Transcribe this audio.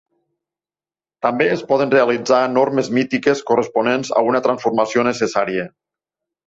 També es poden realitzar normes mítiques corresponents a una transformació necessària.